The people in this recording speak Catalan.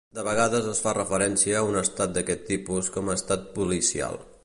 De vegades es fa referència a un estat d'aquest tipus com a estat policial.